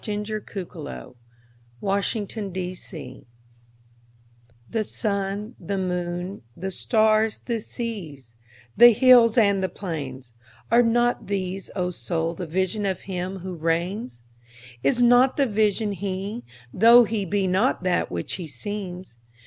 The Higher Pantheism THE SUN, the moon, the stars, the seas, the hills and the plains—Are not these, O Soul, the Vision of Him who reigns? Is not the Vision He? tho' He be not that which He seems?